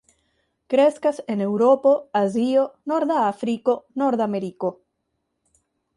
Kreskas en Eŭropo, Azio, norda Afriko, Nordameriko.